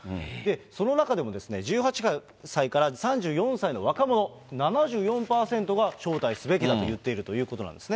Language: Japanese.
その中でも、１８歳から３４歳の若者７４％が、招待すべきだと言っているということなんですね。